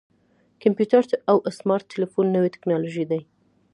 کمپیوټر او سمارټ ټلیفون نوې ټکنالوژي ده.